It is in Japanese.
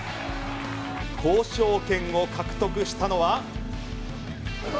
交渉権を獲得したのは。